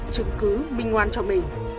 chứng cứ minh ngoan cho mình